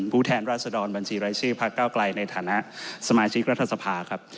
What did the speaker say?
แทนราชดรบัญชีรายชื่อพระเก้าไกลในฐานะสมาชิกรัฐสภาครับ